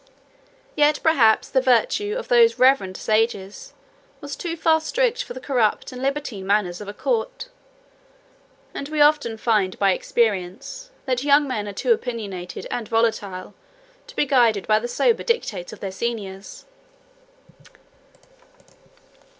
Yet perhaps the virtue of those reverend sages was too strict for the corrupt and libertine manners of a court: and we often find by experience, that young men are too opinionated and volatile to be guided by the sober dictates of their seniors.